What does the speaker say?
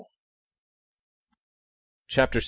CHAPTER VI.